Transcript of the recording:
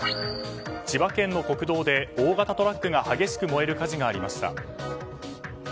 千葉県の国道で大型トラックが激しく燃える火事がありました。